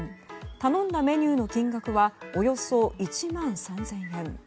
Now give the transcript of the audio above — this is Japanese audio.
頼んだメニューの金額はおよそ１万３０００円。